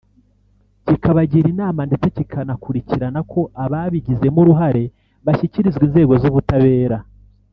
kikabagira inama ndetse kikanakurikirana ko ababigizemo uruhare bashyikirizwa inzego z’ubutabera